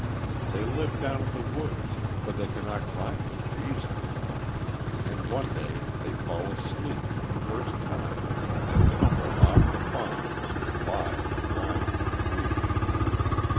They live down in the woods, for they cannot climb the trees any more, and one day they fall asleep for the first time and tumble off the fawns and lie on the ground dreaming.